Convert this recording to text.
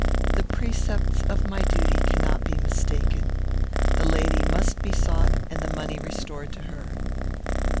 The precepts of my duty cannot be mistaken. The lady must be sought and the money restored to her."